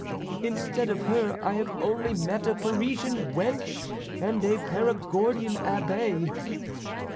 Instead of her I have only met a Parisian wench and a Perigordian Abbé.